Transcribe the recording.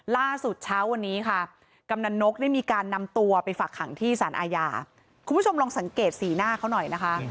ล่าสุดเช้าวันนี้ค่ะกำนันนกได้มีการนำตัวไปฝักขังที่สารอาญาคุณผู้ชมลองสังเกตสีหน้าเขาหน่อยนะคะ